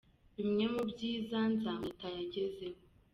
Bimwe mu byiza Nzamwita yagezeho :.